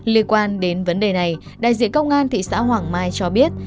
liên quan đến vấn đề này đại diện công an thị xã hoàng mai cho biết